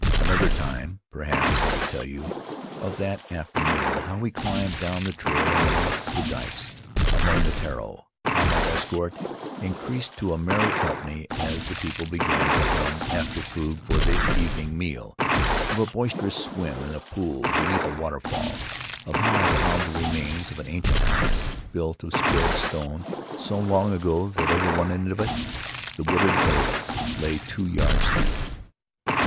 Another time, perhaps, I will tell you of that after noon — how we climbed down the trail and walked the dikes among the taro; how my escort increased to a merry company as the people began to come after food for the evening meal; of a boisterous swim in a pool beneath a waterfall; of how I found the remains of an ancient house, built of squared stone so long ago that over one end of it the wooded earth lay two yards deep.